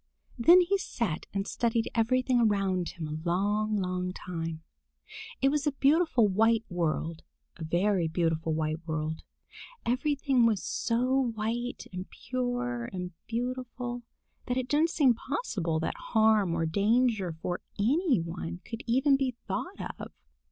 Then he sat and studied everything around him a long, long time. It was a beautiful white world, a very beautiful white world. Everything was so white and pure and beautiful that it didn't seem possible that harm or danger for any one could even be thought of.